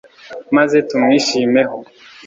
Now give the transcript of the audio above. maze tumwishimeho